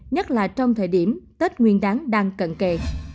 nhất là trong thời điểm tết nguyên đáng đang cận kề